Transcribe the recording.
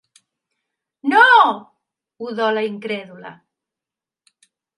No! –udola incrèdula–.